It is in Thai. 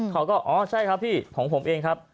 เขาก็อ๋อใช่ครับพี่ของผมเองครับ